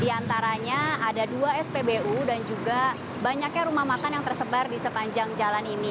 di antaranya ada dua spbu dan juga banyaknya rumah makan yang tersebar di sepanjang jalan ini